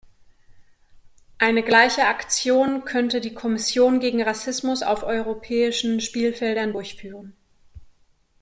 Eine gleiche Aktion könnte die Kommission gegen Rassismus auf europäischen Spielfeldern durchführen.